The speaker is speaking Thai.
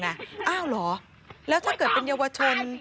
อ้าวเหรอแล้วถ้าเกิดเป็นเยาวชน